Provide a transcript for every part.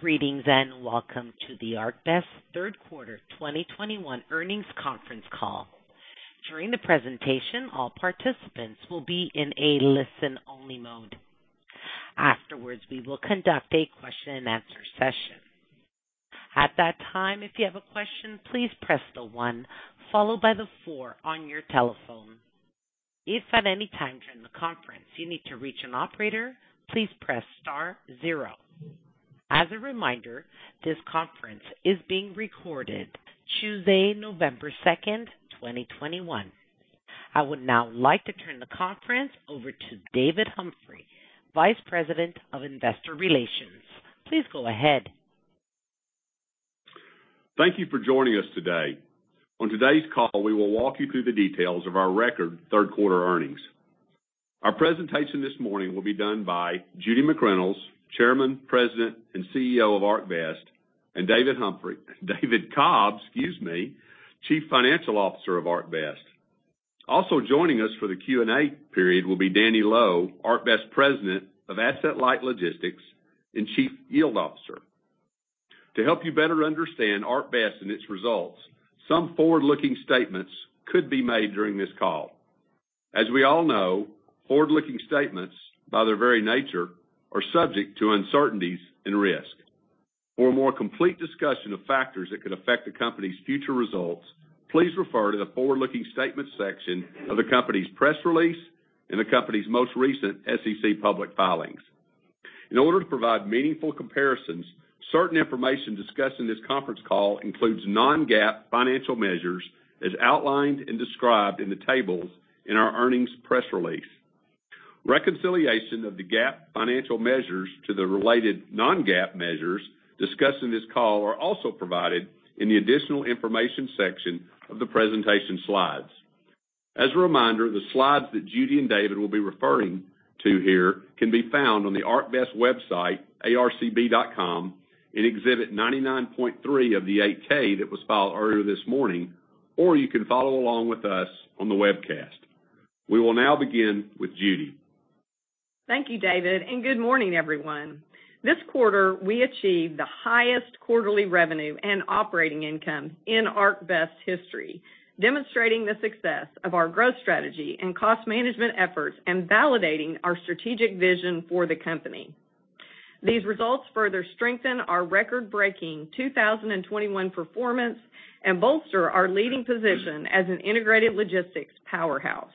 Greetings, and welcome to the ArcBest Third Quarter 2021 earnings conference call. During the presentation, all participants will be in a listen-only mode. Afterwards, we will conduct a question-and-answer session. At that time, if you have a question, please press the one followed by the four on your telephone. If at any time during the conference you need to reach an operator, please press star zero. As a reminder, this conference is being recorded Tuesday, November 2, 2021. I would now like to turn the conference over to David Humphrey, Vice President of Investor Relations. Please go ahead. Thank you for joining us today. On today's call, we will walk you through the details of our record third quarter earnings. Our presentation this morning will be done by Judy McReynolds, Chairman, President, and CEO of ArcBest, and David Humphrey--David Cobb, excuse me, Chief Financial Officer of ArcBest. Also joining us for the Q&A period will be Danny Loe, ArcBest President of Asset-Light Logistics and Chief Yield Officer. To help you better understand ArcBest and its results, some forward-looking statements could be made during this call. As we all know, forward-looking statements, by their very nature, are subject to uncertainties and risks. For a more complete discussion of factors that could affect the company's future results, please refer to the Forward-Looking Statements section of the company's press release and the company's most recent SEC public filings. In order to provide meaningful comparisons, certain information discussed in this conference call includes non-GAAP financial measures, as outlined and described in the tables in our earnings press release. Reconciliation of the GAAP financial measures to the related non-GAAP measures discussed in this call are also provided in the Additional Information section of the presentation slides. As a reminder, the slides that Judy and David will be referring to here can be found on the ArcBest website, arcb.com, in Exhibit 99.3 of the 8-K that was filed earlier this morning, or you can follow along with us on the webcast. We will now begin with Judy. Thank you, David, and good morning, everyone. This quarter, we achieved the highest quarterly revenue and operating income in ArcBest history, demonstrating the success of our growth strategy and cost management efforts and validating our strategic vision for the company. These results further strengthen our record-breaking 2021 performance and bolster our leading position as an integrated logistics powerhouse.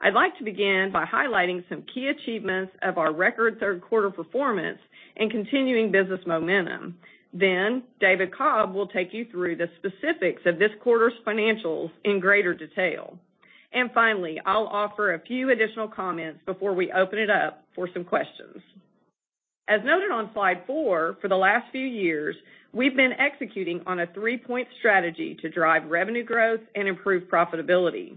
I'd like to begin by highlighting some key achievements of our record third quarter performance and continuing business momentum. Then David Cobb will take you through the specifics of this quarter's financials in greater detail. And finally, I'll offer a few additional comments before we open it up for some questions. As noted on slide 4, for the last few years, we've been executing on a three-point strategy to drive revenue growth and improve profitability.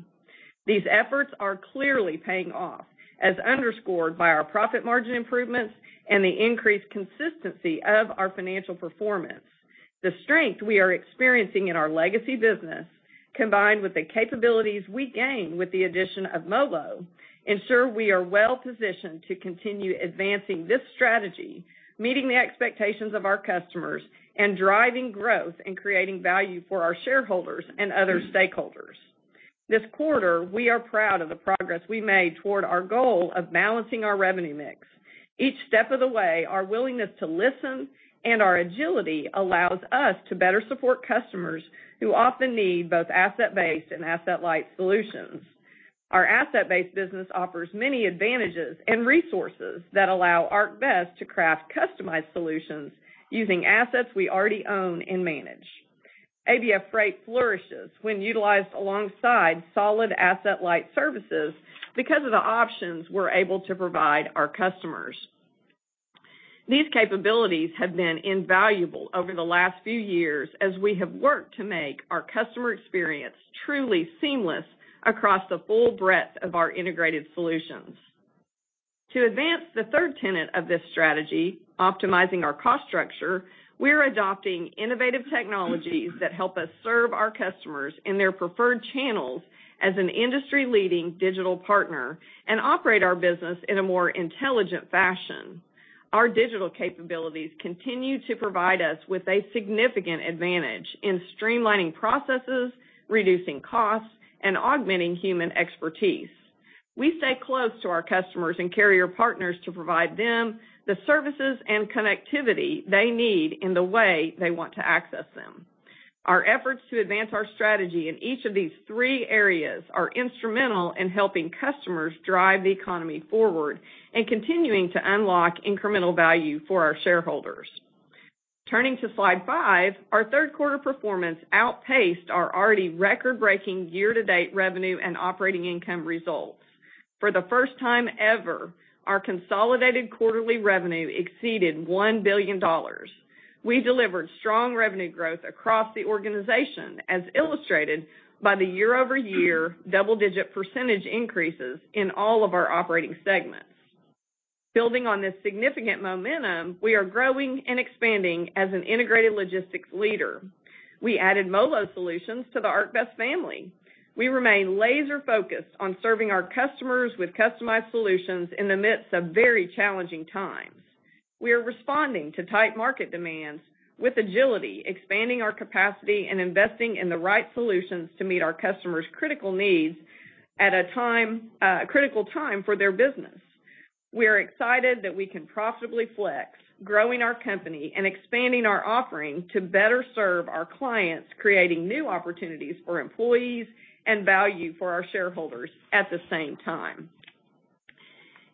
These efforts are clearly paying off, as underscored by our profit margin improvements and the increased consistency of our financial performance. The strength we are experiencing in our legacy business, combined with the capabilities we gained with the addition of MoLo, ensure we are well positioned to continue advancing this strategy, meeting the expectations of our customers, and driving growth and creating value for our shareholders and other stakeholders. This quarter, we are proud of the progress we made toward our goal of balancing our revenue mix. Each step of the way, our willingness to listen and our agility allows us to better support customers who often need both asset-based and asset-light solutions. Our asset-based business offers many advantages and resources that allow ArcBest to craft customized solutions using assets we already own and manage. ABF Freight flourishes when utilized alongside solid asset-light services because of the options we're able to provide our customers. These capabilities have been invaluable over the last few years as we have worked to make our customer experience truly seamless across the full breadth of our integrated solutions. To advance the third tenet of this strategy, optimizing our cost structure, we're adopting innovative technologies that help us serve our customers in their preferred channels as an industry-leading digital partner and operate our business in a more intelligent fashion. Our digital capabilities continue to provide us with a significant advantage in streamlining processes, reducing costs, and augmenting human expertise. We stay close to our customers and carrier partners to provide them the services and connectivity they need in the way they want to access them. Our efforts to advance our strategy in each of these 3 areas are instrumental in helping customers drive the economy forward and continuing to unlock incremental value for our shareholders. Turning to slide 5, our third quarter performance outpaced our already record-breaking year-to-date revenue and operating income results. For the first time ever, our consolidated quarterly revenue exceeded $1 billion. We delivered strong revenue growth across the organization, as illustrated by the year-over-year double-digit percentage increases in all of our operating segments. Building on this significant momentum, we are growing and expanding as an integrated logistics leader... We added MoLo Solutions to the ArcBest family. We remain laser-focused on serving our customers with customized solutions in the midst of very challenging times. We are responding to tight market demands with agility, expanding our capacity, and investing in the right solutions to meet our customers' critical needs at a time, a critical time for their business. We are excited that we can profitably flex, growing our company and expanding our offering to better serve our clients, creating new opportunities for employees and value for our shareholders at the same time.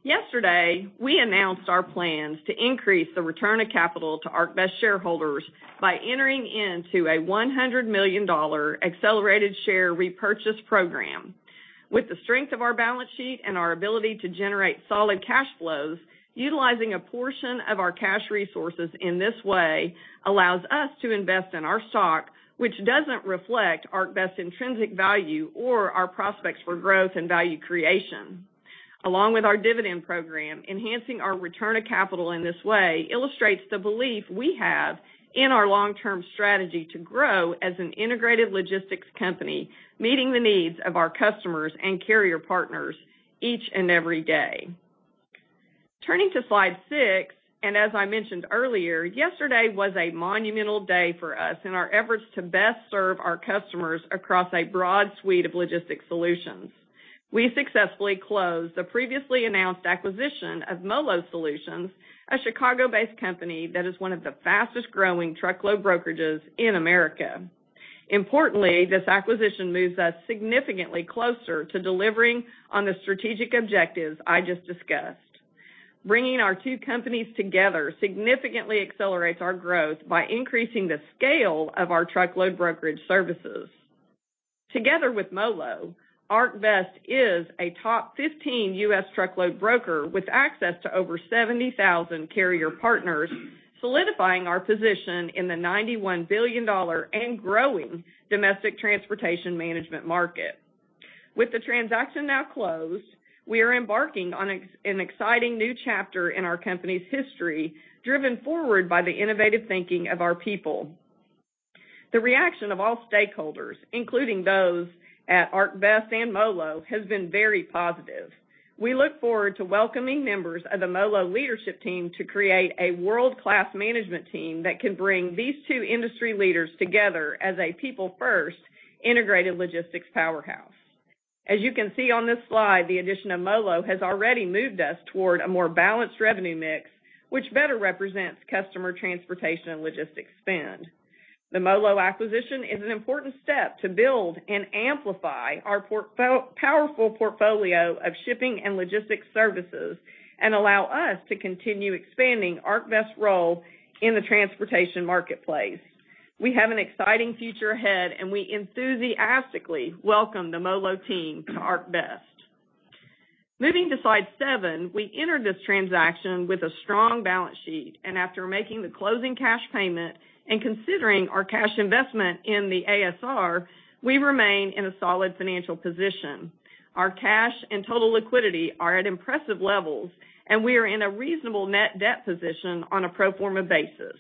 Yesterday, we announced our plans to increase the return of capital to ArcBest shareholders by entering into a $100 million accelerated share repurchase program. With the strength of our balance sheet and our ability to generate solid cash flows, utilizing a portion of our cash resources in this way allows us to invest in our stock, which doesn't reflect ArcBest's intrinsic value or our prospects for growth and value creation. Along with our dividend program, enhancing our return of capital in this way illustrates the belief we have in our long-term strategy to grow as an integrated logistics company, meeting the needs of our customers and carrier partners each and every day. Turning to Slide 6, and as I mentioned earlier, yesterday was a monumental day for us in our efforts to best serve our customers across a broad suite of logistics solutions. We successfully closed the previously announced acquisition of MoLo Solutions, a Chicago-based company that is one of the fastest-growing truckload brokerages in America. Importantly, this acquisition moves us significantly closer to delivering on the strategic objectives I just discussed. Bringing our two companies together significantly accelerates our growth by increasing the scale of our truckload brokerage services. Together with MoLo, ArcBest is a top 15 U.S. truckload broker with access to over 70,000 carrier partners, solidifying our position in the $91 billion and growing domestic transportation management market. With the transaction now closed, we are embarking on an exciting new chapter in our company's history, driven forward by the innovative thinking of our people. The reaction of all stakeholders, including those at ArcBest and MoLo, has been very positive. We look forward to welcoming members of the MoLo leadership team to create a world-class management team that can bring these two industry leaders together as a people-first, integrated logistics powerhouse. As you can see on this slide, the addition of MoLo has already moved us toward a more balanced revenue mix, which better represents customer transportation and logistics spend. The MoLo acquisition is an important step to build and amplify our powerful portfolio of shipping and logistics services and allow us to continue expanding ArcBest's role in the transportation marketplace. We have an exciting future ahead, and we enthusiastically welcome the MoLo team to ArcBest. Moving to Slide 7, we entered this transaction with a strong balance sheet, and after making the closing cash payment and considering our cash investment in the ASR, we remain in a solid financial position. Our cash and total liquidity are at impressive levels, and we are in a reasonable net debt position on a pro forma basis.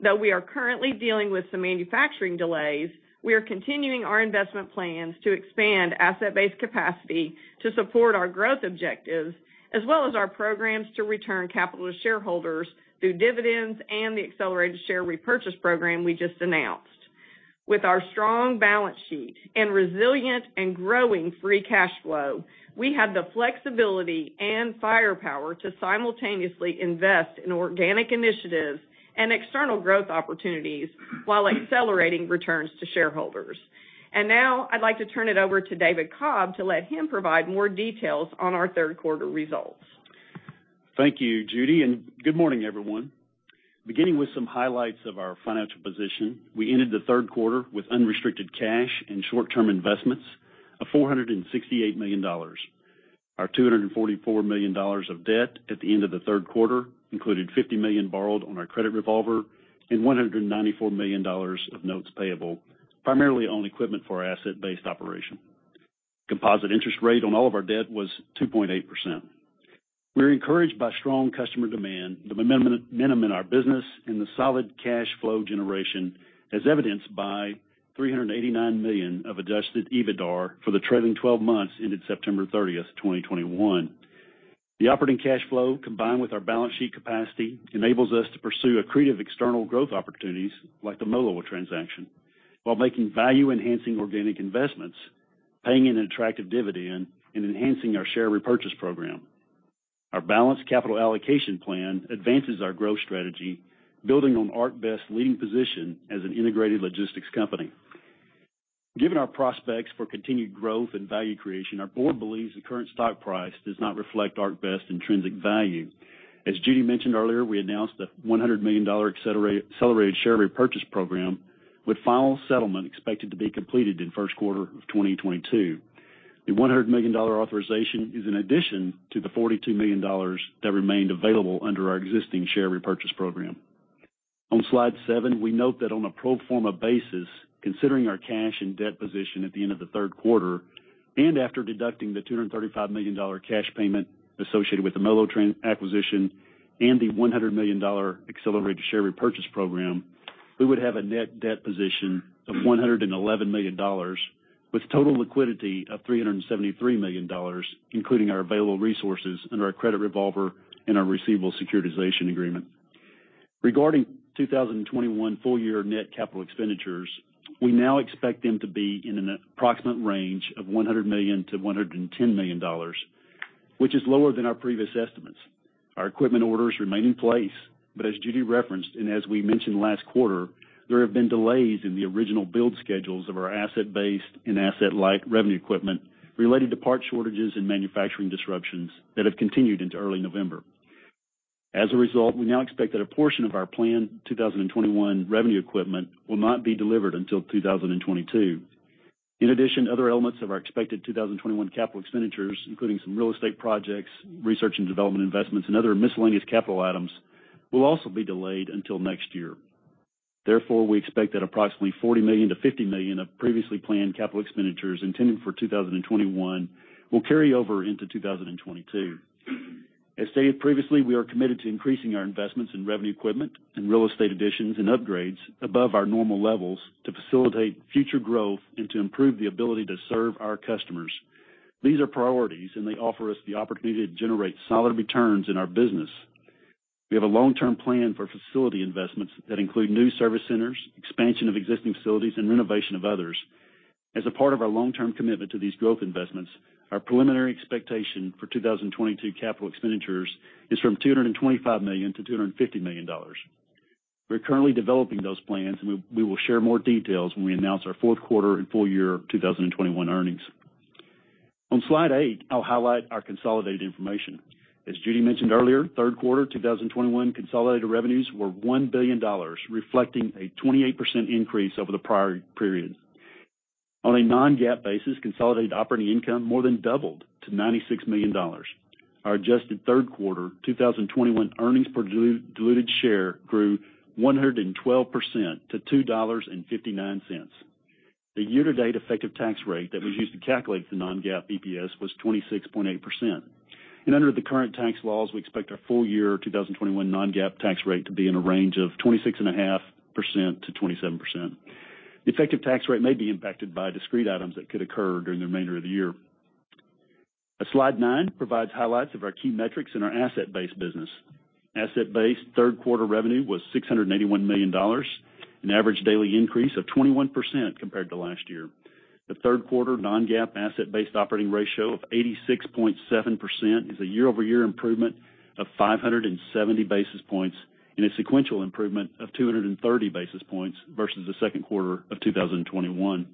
Though we are currently dealing with some manufacturing delays, we are continuing our investment plans to expand asset-based capacity to support our growth objectives, as well as our programs to return capital to shareholders through dividends and the accelerated share repurchase program we just announced. With our strong balance sheet and resilient and growing free cash flow, we have the flexibility and firepower to simultaneously invest in organic initiatives and external growth opportunities while accelerating returns to shareholders. Now, I'd like to turn it over to David Cobb to let him provide more details on our third quarter results. Thank you, Judy, and good morning, everyone. Beginning with some highlights of our financial position, we ended the third quarter with unrestricted cash and short-term investments of $468 million. Our $244 million of debt at the end of the third quarter included $50 million borrowed on our credit revolver and $194 million of notes payable, primarily on equipment for our asset-based operation. Composite interest rate on all of our debt was 2.8%. We're encouraged by strong customer demand, the momentum in our business and the solid cash flow generation, as evidenced by 389 million of adjusted EBITDAR for the trailing twelve months ended September thirtieth, 2021. The operating cash flow, combined with our balance sheet capacity, enables us to pursue accretive external growth opportunities like the MoLo transaction while making value-enhancing organic investments, paying an attractive dividend, and enhancing our share repurchase program. Our balanced capital allocation plan advances our growth strategy, building on ArcBest's leading position as an integrated logistics company. Given our prospects for continued growth and value creation, our board believes the current stock price does not reflect ArcBest's intrinsic value. As Judy mentioned earlier, we announced a $100 million accelerated share repurchase program, with final settlement expected to be completed in first quarter of 2022. The $100 million authorization is in addition to the $42 million that remained available under our existing share repurchase program. On Slide seven, we note that on a pro forma basis, considering our cash and debt position at the end of the third quarter and after deducting the $235 million cash payment associated with the MoLo acquisition and the $100 million accelerated share repurchase program, we would have a net debt position of $111 million, with total liquidity of $373 million, including our available resources under our credit revolver and our receivable securitization agreement. Regarding 2021 full year net capital expenditures, we now expect them to be in an approximate range of $100 million-$110 million, which is lower than our previous estimates. Our equipment orders remain in place, but as Judy referenced, and as we mentioned last quarter, there have been delays in the original build schedules of our asset-based and asset-light revenue equipment related to part shortages and manufacturing disruptions that have continued into early November. As a result, we now expect that a portion of our planned 2021 revenue equipment will not be delivered until 2022. In addition, other elements of our expected 2021 capital expenditures, including some real estate projects, research and development investments, and other miscellaneous capital items, will also be delayed until next year. Therefore, we expect that approximately $40 million-$50 million of previously planned capital expenditures intended for 2021 will carry over into 2022. As stated previously, we are committed to increasing our investments in revenue equipment and real estate additions and upgrades above our normal levels to facilitate future growth and to improve the ability to serve our customers. These are priorities, and they offer us the opportunity to generate solid returns in our business. We have a long-term plan for facility investments that include new service centers, expansion of existing facilities, and renovation of others. As a part of our long-term commitment to these growth investments, our preliminary expectation for 2022 capital expenditures is $225 million-$250 million. We're currently developing those plans, and we will share more details when we announce our fourth quarter and full year 2021 earnings. On slide 8, I'll highlight our consolidated information. As Judy mentioned earlier, third quarter 2021 consolidated revenues were $1 billion, reflecting a 28% increase over the prior period. On a non-GAAP basis, consolidated operating income more than doubled to $96 million. Our adjusted third quarter 2021 earnings per diluted share grew 112% to $2.59. The year-to-date effective tax rate that was used to calculate the non-GAAP EPS was 26.8%. Under the current tax laws, we expect our full year 2021 non-GAAP tax rate to be in a range of 26.5%-27%. The effective tax rate may be impacted by discrete items that could occur during the remainder of the year. On slide 9 provides highlights of our key metrics in our asset-based business. Asset-based third quarter revenue was $681 million, an average daily increase of 21% compared to last year. The third quarter non-GAAP asset-based operating ratio of 86.7% is a year-over-year improvement of 570 basis points and a sequential improvement of 230 basis points versus the second quarter of 2021.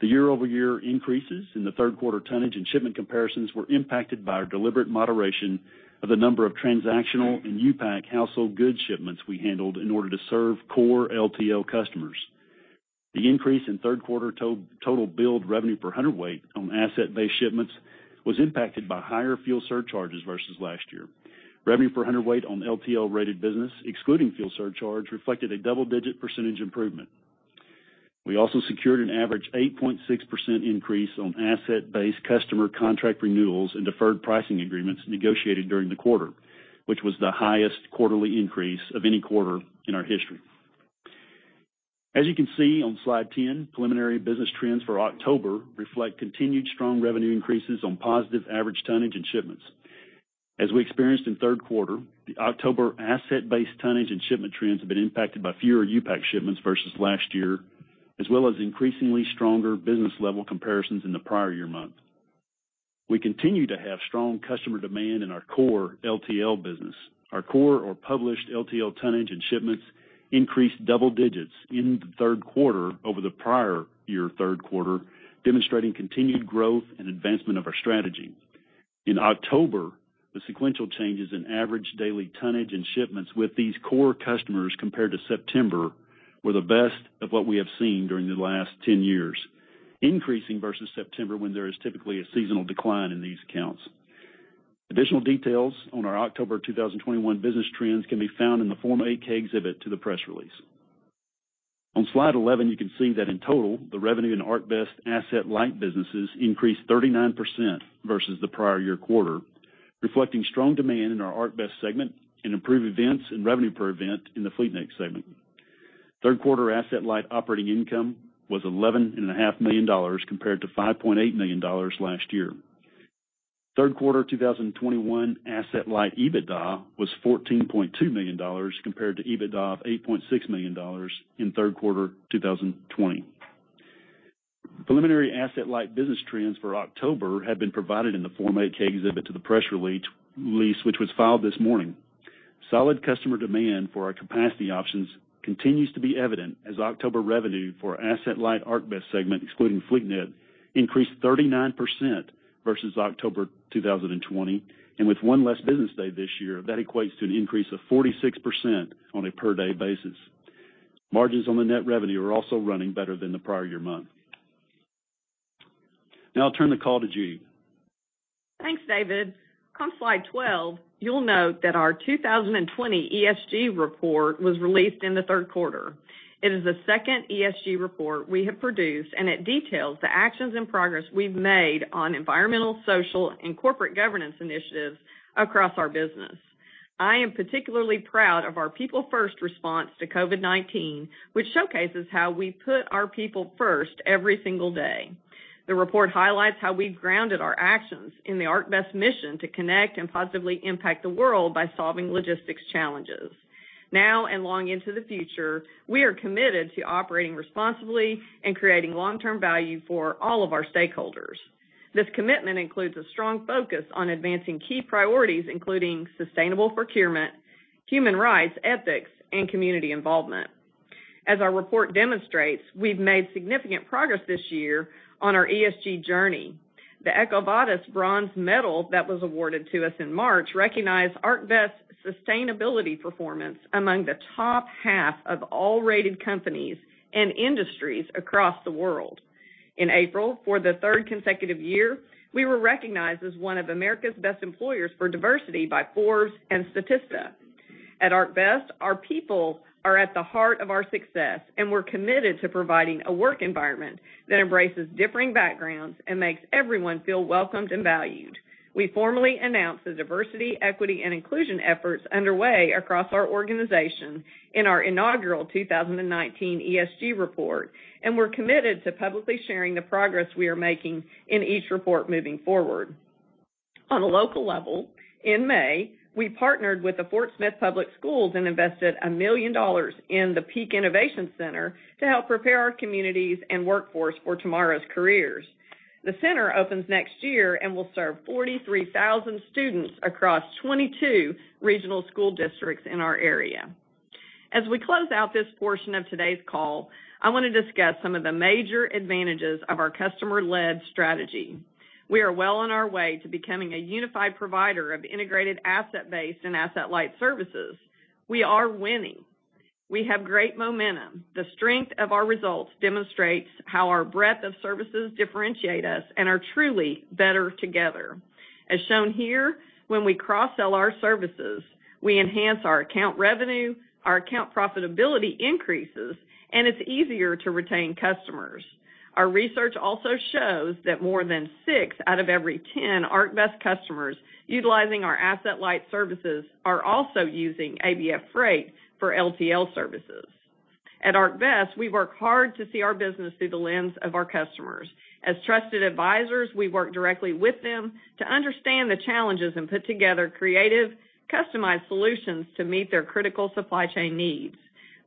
The year-over-year increases in the third quarter tonnage and shipment comparisons were impacted by our deliberate moderation of the number of transactional and U-Pack household goods shipments we handled in order to serve core LTL customers. The increase in third quarter total billed revenue per hundredweight on asset-based shipments was impacted by higher fuel surcharges versus last year. Revenue per hundredweight on LTL-rated business, excluding fuel surcharge, reflected a double-digit percentage improvement. We also secured an average 8.6% increase on asset-based customer contract renewals and deferred pricing agreements negotiated during the quarter, which was the highest quarterly increase of any quarter in our history. As you can see on slide 10, preliminary business trends for October reflect continued strong revenue increases on positive average tonnage and shipments. As we experienced in third quarter, the October asset-based tonnage and shipment trends have been impacted by fewer U-Pack shipments versus last year, as well as increasingly stronger business level comparisons in the prior year month. We continue to have strong customer demand in our core LTL business. Our core or published LTL tonnage and shipments increased double digits in the third quarter over the prior year third quarter, demonstrating continued growth and advancement of our strategy. In October, the sequential changes in average daily tonnage and shipments with these core customers compared to September were the best of what we have seen during the last 10 years, increasing versus September, when there is typically a seasonal decline in these accounts. Additional details on our October 2021 business trends can be found in the Form 8-K exhibit to the press release. On slide 11, you can see that in total, the revenue and ArcBest asset light businesses increased 39% versus the prior year quarter, reflecting strong demand in our ArcBest segment and improved events and revenue per event in the FleetNet segment. Third quarter asset light operating income was $11.5 million, compared to $5.8 million last year. Third quarter 2021 asset-light EBITDA was $14.2 million, compared to EBITDA of $8.6 million in third quarter 2020. Preliminary asset-light business trends for October have been provided in the Form 8-K exhibit to the press release, which was filed this morning. Solid customer demand for our capacity options continues to be evident, as October revenue for asset-light ArcBest segment, excluding FleetNet, increased 39% versus October 2020, and with one less business day this year, that equates to an increase of 46% on a per-day basis. Margins on the net revenue are also running better than the prior year month. Now I'll turn the call to Judy.... Thanks, David. On slide 12, you'll note that our 2020 ESG report was released in the third quarter. It is the second ESG report we have produced, and it details the actions and progress we've made on environmental, social, and corporate governance initiatives across our business. I am particularly proud of our people-first response to COVID-19, which showcases how we put our people first every single day. The report highlights how we've grounded our actions in the ArcBest mission to connect and positively impact the world by solving logistics challenges. Now, and long into the future, we are committed to operating responsibly and creating long-term value for all of our stakeholders. This commitment includes a strong focus on advancing key priorities, including sustainable procurement, human rights, ethics, and community involvement. As our report demonstrates, we've made significant progress this year on our ESG journey. The EcoVadis bronze medal that was awarded to us in March recognized ArcBest's sustainability performance among the top half of all rated companies and industries across the world. In April, for the third consecutive year, we were recognized as one of America's best employers for diversity by Forbes and Statista. At ArcBest, our people are at the heart of our success, and we're committed to providing a work environment that embraces differing backgrounds and makes everyone feel welcomed and valued. We formally announced the diversity, equity, and inclusion efforts underway across our organization in our inaugural 2019 ESG report, and we're committed to publicly sharing the progress we are making in each report moving forward. On a local level, in May, we partnered with the Fort Smith Public Schools and invested $1 million in the Peak Innovation Center to help prepare our communities and workforce for tomorrow's careers. The center opens next year and will serve 43,000 students across 22 regional school districts in our area. As we close out this portion of today's call, I want to discuss some of the major advantages of our customer-led strategy. We are well on our way to becoming a unified provider of integrated asset-based and asset-light services. We are winning. We have great momentum. The strength of our results demonstrates how our breadth of services differentiate us and are truly better together. As shown here, when we cross-sell our services, we enhance our account revenue, our account profitability increases, and it's easier to retain customers. Our research also shows that more than six out of every 10 ArcBest customers utilizing our asset-light services are also using ABF Freight for LTL services. At ArcBest, we work hard to see our business through the lens of our customers. As trusted advisors, we work directly with them to understand the challenges and put together creative, customized solutions to meet their critical supply chain needs.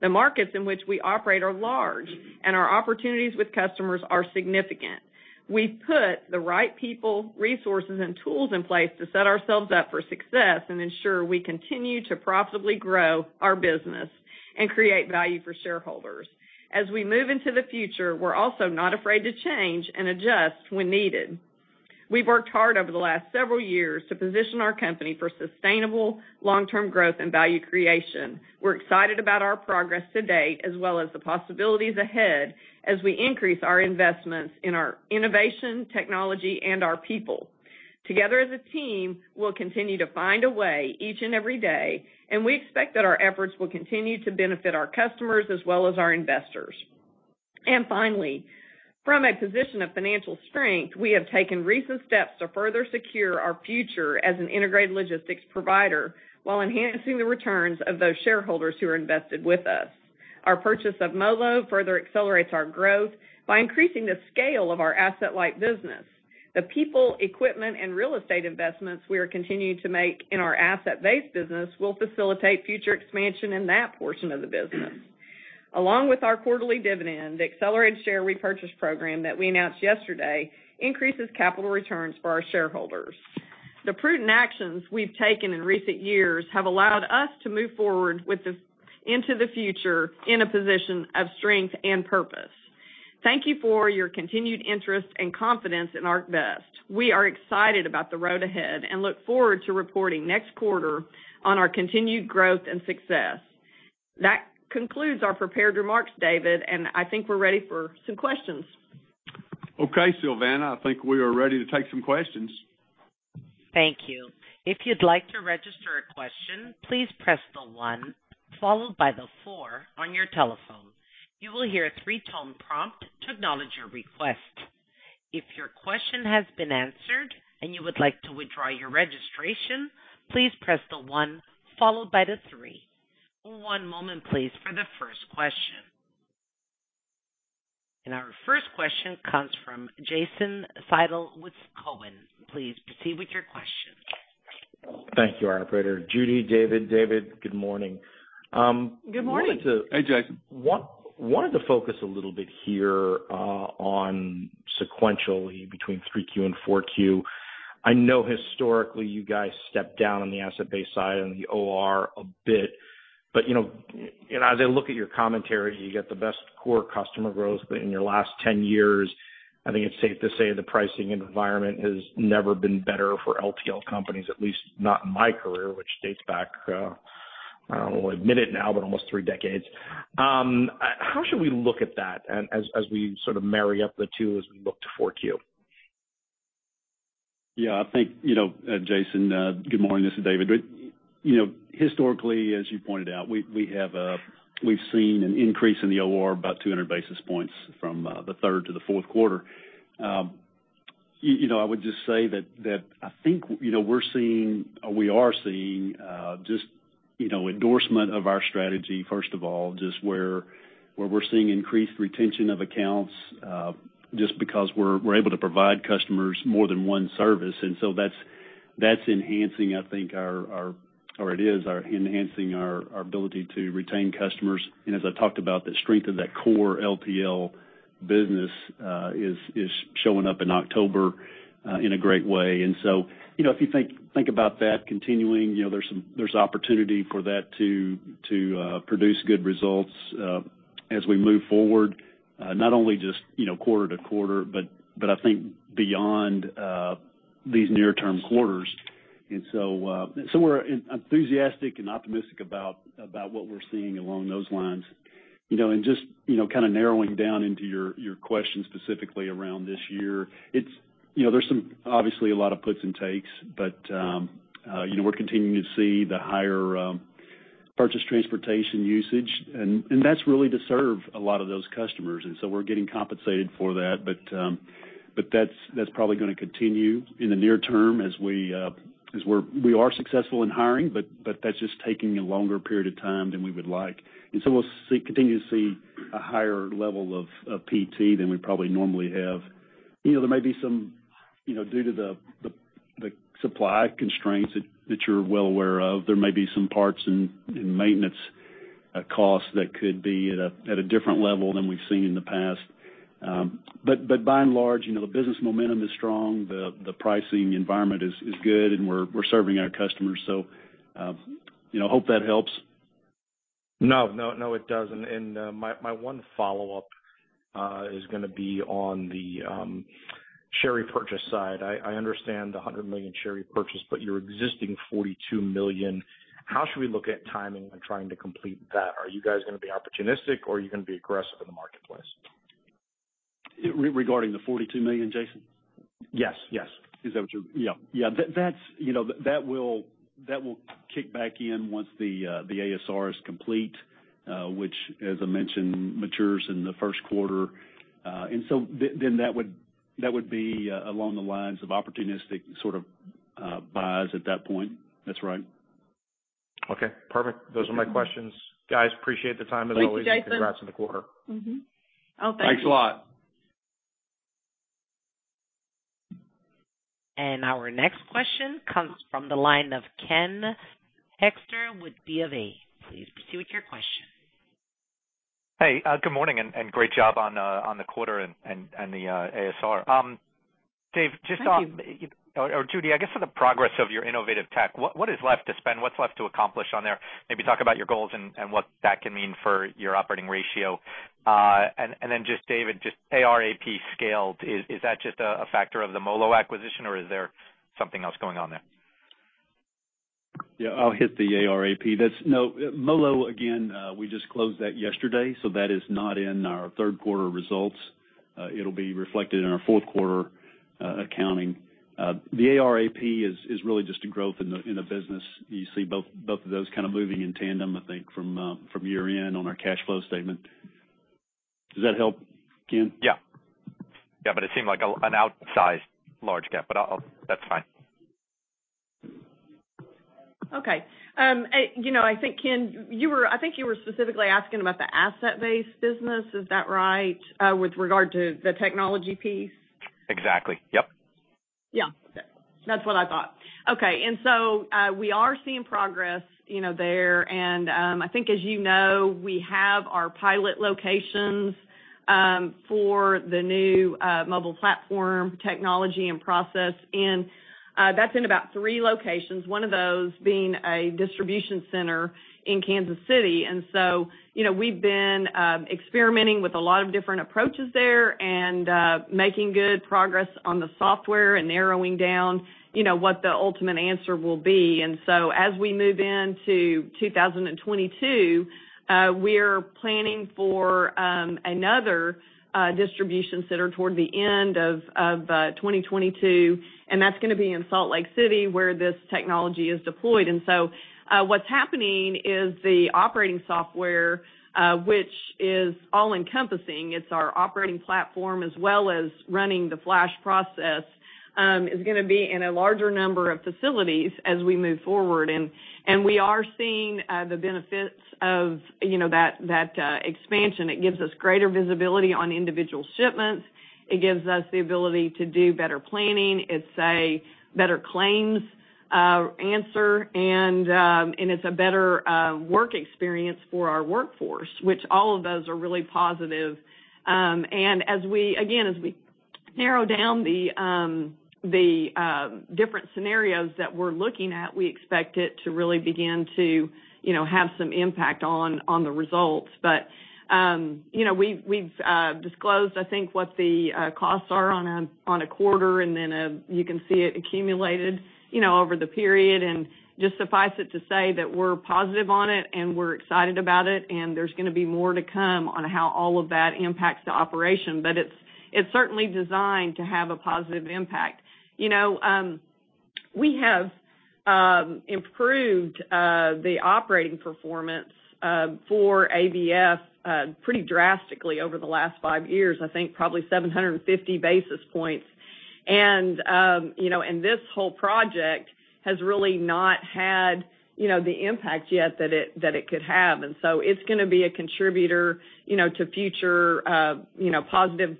The markets in which we operate are large, and our opportunities with customers are significant. We've put the right people, resources, and tools in place to set ourselves up for success and ensure we continue to profitably grow our business and create value for shareholders. As we move into the future, we're also not afraid to change and adjust when needed. We've worked hard over the last several years to position our company for sustainable, long-term growth and value creation. We're excited about our progress to date as well as the possibilities ahead as we increase our investments in our innovation, technology, and our people. Together as a team, we'll continue to find a way each and every day, and we expect that our efforts will continue to benefit our customers as well as our investors. And finally, from a position of financial strength, we have taken recent steps to further secure our future as an integrated logistics provider while enhancing the returns of those shareholders who are invested with us. Our purchase of MoLo further accelerates our growth by increasing the scale of our asset-light business. The people, equipment, and real estate investments we are continuing to make in our asset-based business will facilitate future expansion in that portion of the business. Along with our quarterly dividend, the accelerated share repurchase program that we announced yesterday increases capital returns for our shareholders. The prudent actions we've taken in recent years have allowed us to move forward with this, into the future in a position of strength and purpose. Thank you for your continued interest and confidence in ArcBest. We are excited about the road ahead and look forward to reporting next quarter on our continued growth and success. That concludes our prepared remarks, David, and I think we're ready for some questions. Okay, Sylvana, I think we are ready to take some questions. Thank you. If you'd like to register a question, please press the one followed by the four on your telephone. You will hear a three-tone prompt to acknowledge your request. If your question has been answered and you would like to withdraw your registration, please press the one followed by the three. One moment, please, for the first question. And our first question comes from Jason Seidl with Cowen. Please proceed with your question. Thank you, operator. Judy, David, David, good morning. Good morning. Hey, Jason. Wanted to focus a little bit here on sequentially between 3Q and 4Q. I know historically, you guys stepped down on the asset-based side and the OR a bit, but, you know, as I look at your commentary, you get the best core customer growth. But in your last 10 years, I think it's safe to say the pricing environment has never been better for LTL companies, at least not in my career, which dates back, I don't want to admit it now, but almost 3 decades. How should we look at that and as we sort of marry up the two as we look to 4Q? Yeah, I think, you know, Jason, good morning, this is David. You know, historically, as you pointed out, we've seen an increase in the OR about 200 basis points from the third to the fourth quarter. You know, I would just say that I think, you know, we're seeing or we are seeing just, you know, endorsement of our strategy, first of all, just where we're seeing increased retention of accounts just because we're able to provide customers more than one service. And so that's enhancing, I think, our, or it is enhancing our ability to retain customers. And as I talked about, the strength of that core LTL business is showing up in October in a great way. And so, you know, if you think about that continuing, you know, there's opportunity for that to produce good results, as we move forward, not only just, you know, quarter to quarter, but I think beyond these near-term quarters. And so, so we're enthusiastic and optimistic about what we're seeing along those lines. You know, and just, you know, kind of narrowing down into your question specifically around this year. It's... You know, there's obviously a lot of puts and takes, but, you know, we're continuing to see the higher purchased transportation usage, and that's really to serve a lot of those customers, and so we're getting compensated for that. But that's probably going to continue in the near term as we are successful in hiring, but that's just taking a longer period of time than we would like. And so we'll continue to see a higher level of PT than we probably normally have. You know, there may be some, you know, due to the supply constraints that you're well aware of, there may be some parts and maintenance costs that could be at a different level than we've seen in the past. But by and large, you know, the business momentum is strong, the pricing environment is good, and we're serving our customers. So, you know, hope that helps. No, no, no, it does. And my one follow-up is going to be on the share repurchase side. I understand the $100 million share repurchase, but your existing $42 million, how should we look at timing when trying to complete that? Are you guys going to be opportunistic, or are you going to be aggressive in the marketplace? Regarding the $42 million, Jason? Yes. Yes. Is that what you're- Yeah. Yeah. That's, you know, that will, that will kick back in once the ASR is complete, which, as I mentioned, matures in the first quarter. And so then that would, that would be along the lines of opportunistic sort of buys at that point. That's right. Okay, perfect. Those are my questions. Guys, appreciate the time, as always. Thank you, Jason. Congrats on the quarter. Mm-hmm. Oh, thank you. Thanks a lot. Our next question comes from the line of Ken Hoexter with BofA. Please proceed with your question. Hey, good morning, and great job on the quarter and the ASR. Dave, just on- Thank you. Or Judy, I guess, for the progress of your innovative tech, what is left to spend, what's left to accomplish on there? Maybe talk about your goals and what that can mean for your operating ratio. And then just David, just AR/AP scaled, is that just a factor of the MoLo acquisition, or is there something else going on there? Yeah, I'll hit the AR/AP. That's... No, MoLo, again, we just closed that yesterday, so that is not in our third quarter results. It'll be reflected in our fourth quarter accounting. The AR/AP is really just a growth in the business. You see both of those kind of moving in tandem, I think, from year-end on our cash flow statement. Does that help, Ken? Yeah. Yeah, but it seemed like an outsized large gap, but I'll... That's fine. Okay, you know, I think, Ken, you were. I think you were specifically asking about the asset-based business. Is that right? With regard to the technology piece. Exactly. Yep. Yeah. That's what I thought. Okay, we are seeing progress, you know, there, and, I think, as you know, we have our pilot locations, for the new, mobile platform technology and process, and, that's in about three locations, one of those being a distribution center in Kansas City. And so, you know, we've been, experimenting with a lot of different approaches there and, making good progress on the software and narrowing down, you know, what the ultimate answer will be. And so as we move into 2022, we're planning for, another, distribution center toward the end of, 2022, and that's going to be in Salt Lake City, where this technology is deployed. And so, what's happening is the operating software, which is all-encompassing, it's our operating platform, as well as running the Flash process, is going to be in a larger number of facilities as we move forward. And we are seeing the benefits of, you know, that expansion. It gives us greater visibility on individual shipments, it gives us the ability to do better planning, it's a better claims answer, and it's a better work experience for our workforce, which all of those are really positive. And as we again, as we narrow down the different scenarios that we're looking at, we expect it to really begin to, you know, have some impact on the results. But, you know, we've disclosed, I think, what the costs are on a quarter, and then you can see it accumulated, you know, over the period. And just suffice it to say that we're positive on it, and we're excited about it, and there's gonna be more to come on how all of that impacts the operation. But it's certainly designed to have a positive impact. You know, we have improved the operating performance for ABF pretty drastically over the last five years, I think probably 750 basis points. And you know, this whole project has really not had, you know, the impact yet that it could have. And so it's gonna be a contributor, you know, to future, you know, positive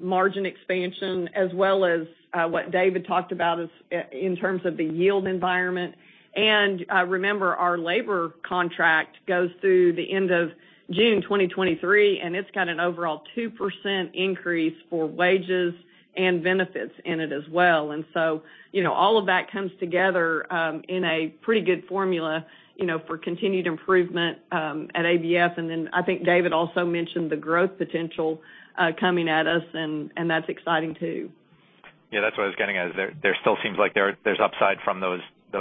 margin expansion, as well as what David talked about as in terms of the yield environment. And remember, our labor contract goes through the end of June 2023, and it's got an overall 2% increase for wages and benefits in it as well. And so, you know, all of that comes together in a pretty good formula, you know, for continued improvement at ABF. And then I think David also mentioned the growth potential coming at us, and, and that's exciting, too. Yeah, that's what I was getting at. There still seems like there's upside from those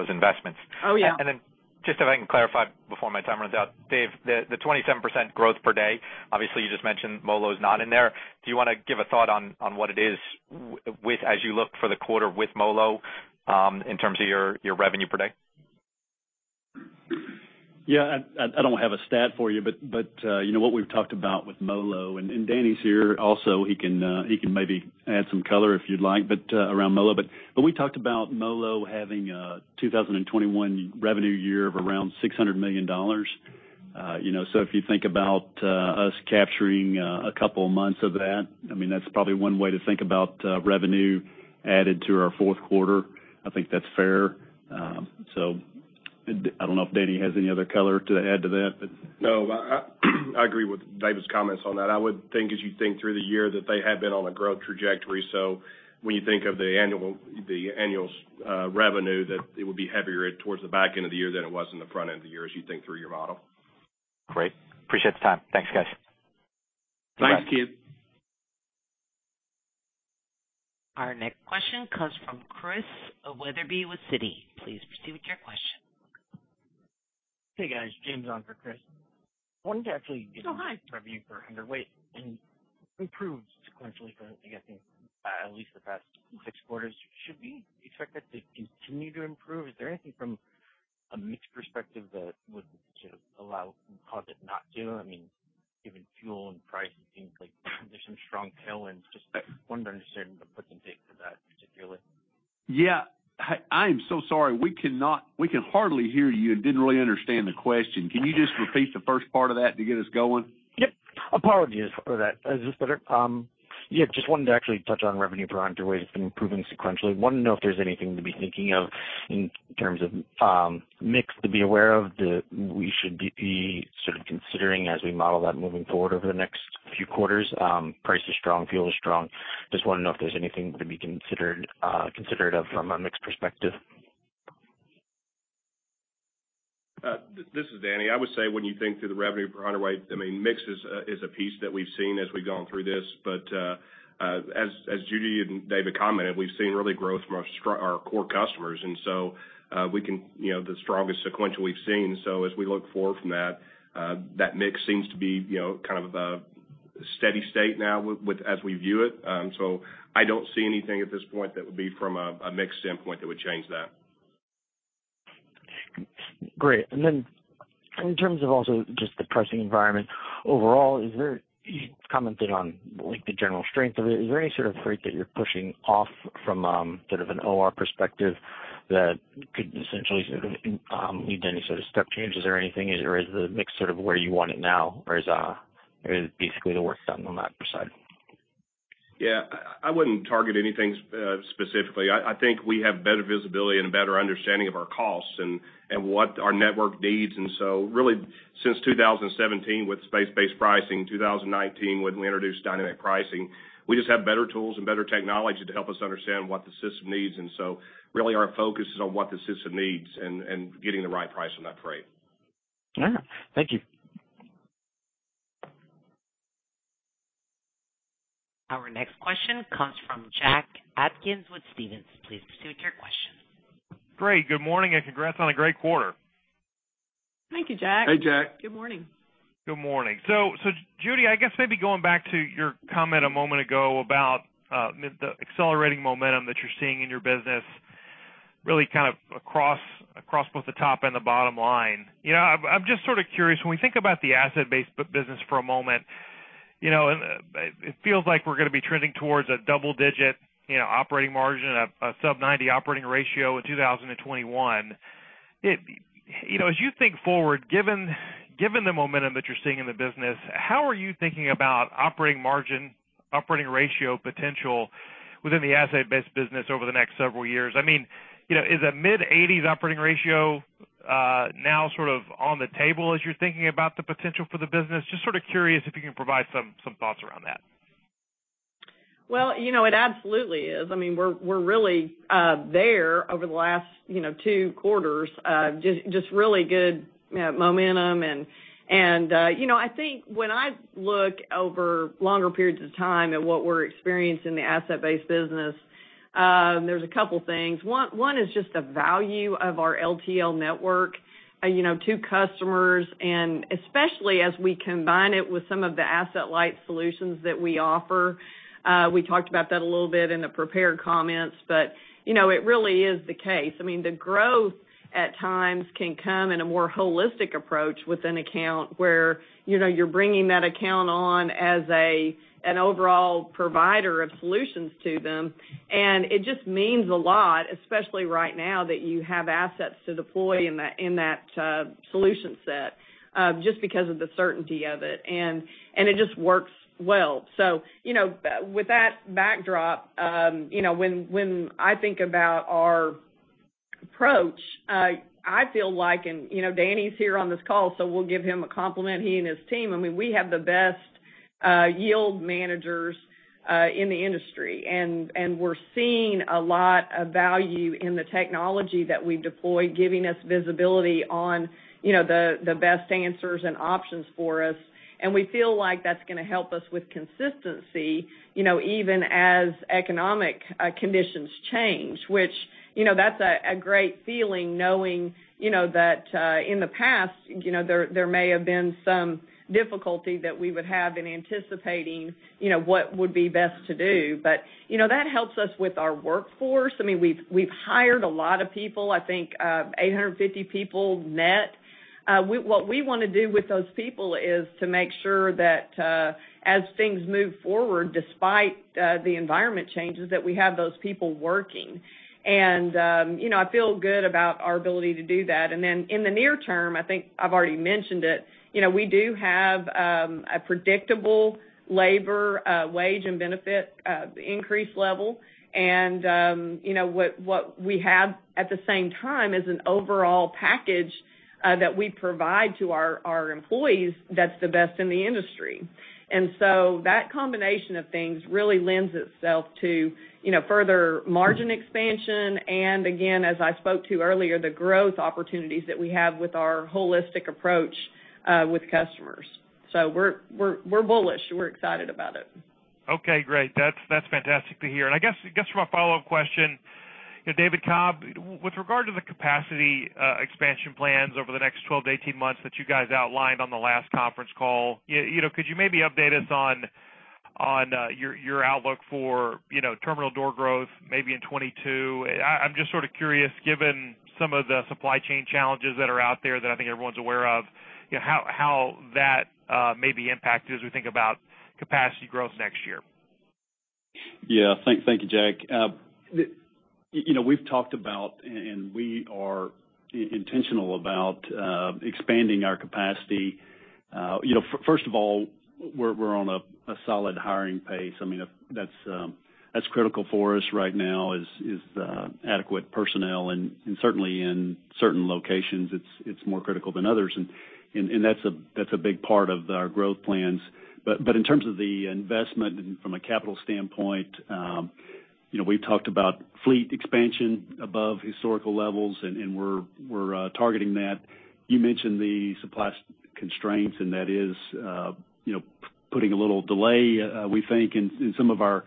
investments. Oh, yeah. Then, just if I can clarify before my time runs out. Dave, the 27% growth per day, obviously, you just mentioned MoLo is not in there. Do you wanna give a thought on what it is with—as you look for the quarter with MoLo, in terms of your revenue per day? Yeah, I don't have a stat for you, but you know, what we've talked about with MoLo, and Danny's here also, he can maybe add some color if you'd like, but around MoLo. But we talked about MoLo having a 2021 revenue year of around $600 million. You know, so if you think about us capturing a couple months of that, I mean, that's probably one way to think about revenue added to our fourth quarter. I think that's fair. So I don't know if Danny has any other color to add to that, but- No, I agree with David's comments on that. I would think, as you think through the year, that they have been on a growth trajectory. So when you think of the annual revenue, that it would be heavier towards the back end of the year than it was in the front end of the year, as you think through your model. Great. Appreciate the time. Thanks, guys. Thanks, Ken. Our next question comes from Chris Wetherbee with Citi. Please proceed with your question. Hey, guys. James on for Chris. Wanted to actually- Oh, hi. Revenue per hundredweight and improved sequentially for, I guess, at least the past six quarters. Should we expect that to continue to improve? Is there anything from a mix perspective that would sort of allow, cause it not to? I mean, given fuel and pricing and things like that, there's some strong tailwinds. Just wanted to understand the give and take for that particularly. Yeah. I am so sorry. We can hardly hear you and didn't really understand the question. Can you just repeat the first part of that to get us going? Yep. Apologies for that. Is this better? Yeah, just wanted to actually touch on revenue per hundredweight. It's been improving sequentially. Wanted to know if there's anything to be thinking of in terms of mix to be aware of, that we should be sort of considering as we model that moving forward over the next few quarters. Price is strong, fuel is strong. Just want to know if there's anything to be considered of from a mix perspective. This is Danny. I would say, when you think through the revenue per hundredweight, I mean, mix is a piece that we've seen as we've gone through this. But as Judy and David commented, we've seen really growth from our core customers, and so, you know, the strongest sequential we've seen. So as we look forward from that, that mix seems to be, you know, kind of a steady state now with as we view it. So I don't see anything at this point that would be from a mix standpoint that would change that. Great. And then in terms of also just the pricing environment, overall, is there... You commented on, like, the general strength of it. Is there any sort of freight that you're pushing off from, sort of an OR perspective that could essentially, lead to any sort of step changes or anything, or is the mix sort of where you want it now, or is, basically the work done on that side? Yeah, I wouldn't target anything specifically. I think we have better visibility and a better understanding of our costs and what our network needs. And so really, since 2017, with space-based pricing, 2019, when we introduced dynamic pricing, we just have better tools and better technology to help us understand what the system needs. And so really our focus is on what the system needs and getting the right price on that freight. Yeah. Thank you. Our next question comes from Jack Atkins with Stephens. Please proceed with your question. Great. Good morning, and congrats on a great quarter. Thank you, Jack. Hey, Jack. Good morning. Good morning. So, Judy, I guess maybe going back to your comment a moment ago about the accelerating momentum that you're seeing in your business, really kind of across both the top and the bottom line. You know, I'm just sort of curious, when we think about the asset-based business for a moment, you know, it feels like we're gonna be trending towards a double-digit operating margin and a sub ninety operating ratio in 2021. You know, as you think forward, given the momentum that you're seeing in the business, how are you thinking about operating margin, operating ratio potential within the asset-based business over the next several years? I mean, you know, is a mid-eighties operating ratio now sort of on the table as you're thinking about the potential for the business? Just sort of curious if you can provide some thoughts around that? Well, you know, it absolutely is. I mean, we're really there over the last 2 quarters, just really good, you know, momentum. And, you know, I think when I look over longer periods of time at what we're experiencing in the asset-based business, there's a couple things. One is just the value of our LTL network, you know, to customers, and especially as we combine it with some of the asset-light solutions that we offer. We talked about that a little bit in the prepared comments, but, you know, it really is the case. I mean, the growth at times can come in a more holistic approach with an account where, you know, you're bringing that account on as an overall provider of solutions to them. And it just means a lot, especially right now, that you have assets to deploy in that, in that, solution set, just because of the certainty of it. And it just works well. So, you know, with that backdrop, you know, when I think about our approach, I feel like, and, you know, Danny's here on this call, so we'll give him a compliment, he and his team. I mean, we have the best yield managers in the industry, and we're seeing a lot of value in the technology that we've deployed, giving us visibility on, you know, the best answers and options for us. And we feel like that's gonna help us with consistency, you know, even as economic conditions change, which, you know, that's a great feeling knowing, you know, that in the past, you know, there may have been some difficulty that we would have in anticipating, you know, what would be best to do. But, you know, that helps us with our workforce. I mean, we've hired a lot of people, I think 850 people net. What we want to do with those people is to make sure that as things move forward, despite the environment changes, that we have those people working. And, you know, I feel good about our ability to do that. In the near term, I think I've already mentioned it, you know, we do have a predictable labor wage and benefit increase level. And you know, what we have at the same time is an overall package that we provide to our employees that's the best in the industry. And so that combination of things really lends itself to, you know, further margin expansion, and again, as I spoke to earlier, the growth opportunities that we have with our holistic approach with customers. So we're bullish, and we're excited about it. Okay, great. That's, that's fantastic to hear. And I guess, I guess for my follow-up question, you know, David Cobb, with regard to the capacity expansion plans over the next 12-18 months that you guys outlined on the last conference call, you know, could you maybe update us on your outlook for, you know, terminal door growth maybe in 2022? I'm just sort of curious, given some of the supply chain challenges that are out there that I think everyone's aware of, you know, how that may be impacted as we think about capacity growth next year. Yeah. Thank you, Jack. You know, we've talked about, and we are intentional about expanding our capacity. You know, first of all, we're on a solid hiring pace. I mean, that's critical for us right now, is adequate personnel, and that's a big part of our growth plans. But in terms of the investment and from a capital standpoint, you know, we've talked about fleet expansion above historical levels, and we're targeting that. You mentioned the supply constraints, and that is putting a little delay, we think in some of our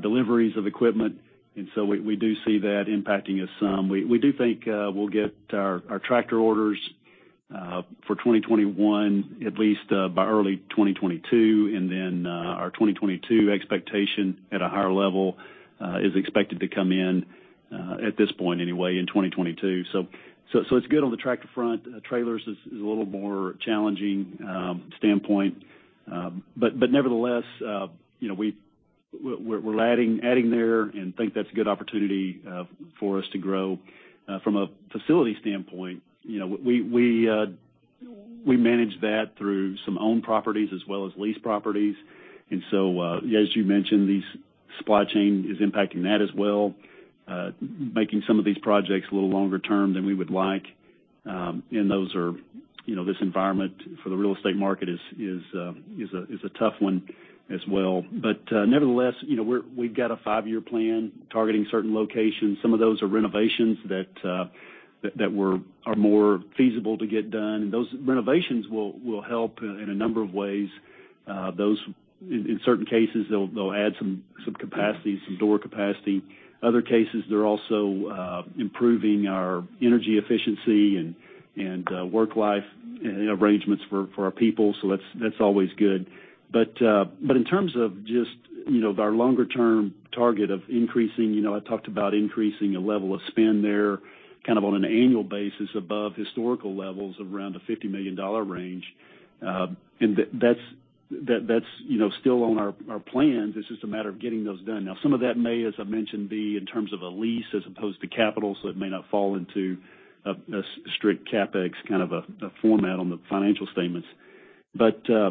deliveries of equipment, and so we do see that impacting us some. We do think we'll get our tractor orders for 2021, at least, by early 2022, and then our 2022 expectation at a higher level is expected to come in, at this point anyway, in 2022. So it's good on the tractor front. Trailers is a little more challenging standpoint. But nevertheless, you know, we're adding there and think that's a good opportunity for us to grow. From a facility standpoint, you know, we manage that through some owned properties as well as leased properties. And so, as you mentioned, the supply chain is impacting that as well, making some of these projects a little longer term than we would like. And those are... You know, this environment for the real estate market is a tough one as well. But, nevertheless, you know, we've got a five-year plan targeting certain locations. Some of those are renovations that we're more feasible to get done. And those renovations will help in a number of ways. Those, in certain cases, they'll add some capacity, some door capacity. Other cases, they're also improving our energy efficiency and work-life arrangements for our people, so that's always good. But in terms of just, you know, our longer-term target of increasing, you know, I talked about increasing a level of spend there, kind of on an annual basis above historical levels of around the $50 million range. and that's, you know, still on our plans. It's just a matter of getting those done. Now, some of that may, as I mentioned, be in terms of a lease as opposed to capital, so it may not fall into a strict CapEx kind of a format on the financial statements... But, you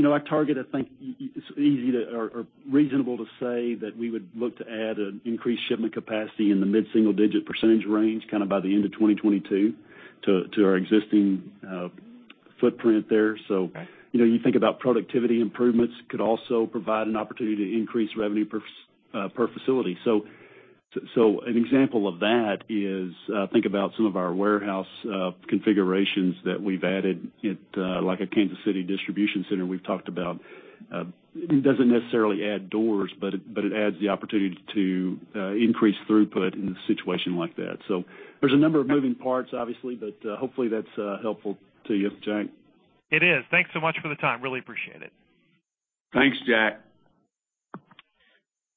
know, our target, I think, it's easy or reasonable to say that we would look to add an increased shipment capacity in the mid-single-digit % range, kind of by the end of 2022 to our existing footprint there. So, you know, you think about productivity improvements could also provide an opportunity to increase revenue per facility. So an example of that is, think about some of our warehouse configurations that we've added at, like a Kansas City distribution center we've talked about. It doesn't necessarily add doors, but it adds the opportunity to increase throughput in a situation like that. So there's a number of moving parts, obviously, but hopefully that's helpful to you, Jack. It is. Thanks so much for the time. Really appreciate it. Thanks, Jack.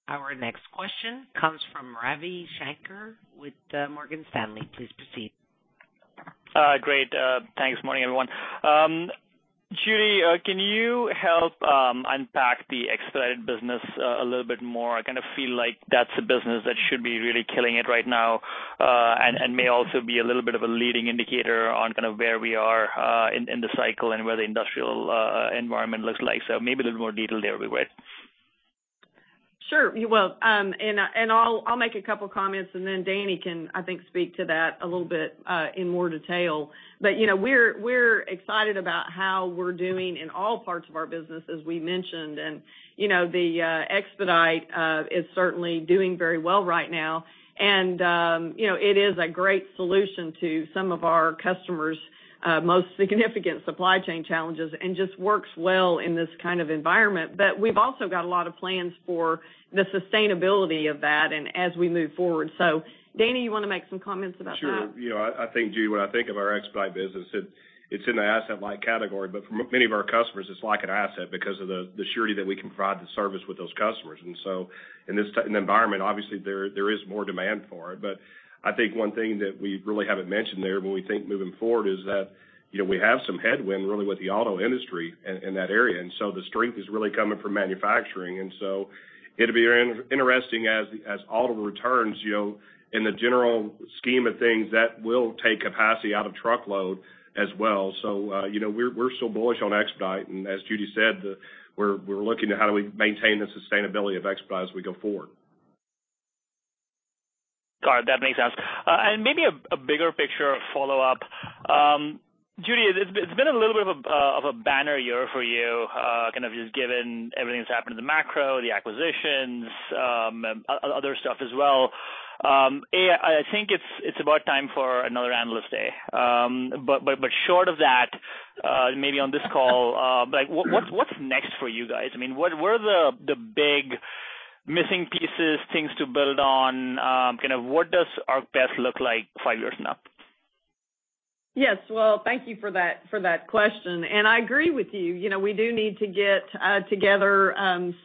Our next question comes from Ravi Shanker with, Morgan Stanley. Please proceed. Great. Thanks, morning, everyone. Judy, can you help unpack the expedited business a little bit more? I kind of feel like that's a business that should be really killing it right now, and may also be a little bit of a leading indicator on kind of where we are in the cycle and where the industrial environment looks like. So maybe a little more detail there would be great. Sure. Well, and I'll make a couple comments, and then Danny can, I think, speak to that a little bit, in more detail. But, you know, we're excited about how we're doing in all parts of our business, as we mentioned, and, you know, the expedite is certainly doing very well right now. And, you know, it is a great solution to some of our customers' most significant supply chain challenges and just works well in this kind of environment. But we've also got a lot of plans for the sustainability of that and as we move forward. So Danny, you want to make some comments about that? Sure. You know, I think, Judy, when I think of our expedite business, it, it's in the asset-light category, but for many of our customers, it's like an asset because of the, the surety that we can provide the service with those customers. And so in this environment, obviously, there, there is more demand for it. But I think one thing that we really haven't mentioned there when we think moving forward is that, you know, we have some headwind really with the auto industry in, in that area, and so the strength is really coming from manufacturing. And so it'll be interesting as, as auto returns, you know, in the general scheme of things, that will take capacity out of truckload as well. You know, we're, we're still bullish on expedite, and as Judy said, we're, we're looking at how do we maintain the sustainability of expedite as we go forward. Got it, that makes sense. And maybe a bigger picture follow up. Judy, it's been a little bit of a banner year for you, kind of just given everything that's happened in the macro, the acquisitions, other stuff as well. I think it's about time for another Analyst Day. But short of that, maybe on this call, like, what's next for you guys? I mean, what are the big missing pieces, things to build on? Kind of what does ArcBest look like five years from now? Yes. Well, thank you for that, for that question, and I agree with you. You know, we do need to get together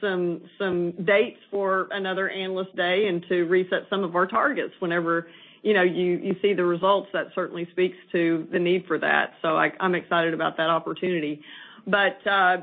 some dates for another Analyst Day and to reset some of our targets. Whenever, you know, you see the results, that certainly speaks to the need for that. So I'm excited about that opportunity. But,